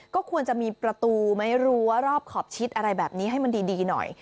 ก็ควรจะมีประตูไหมรั้วรอบขอบชิดอะไรแบบนี้ให้มันดีหน่อย